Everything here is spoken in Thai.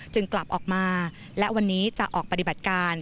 กลับออกมาและวันนี้จะออกปฏิบัติการ